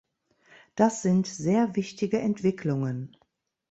Das sind sehr wichtige Entwicklungen.